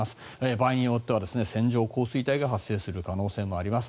場合によっては線状降水帯が発生する可能性もあります。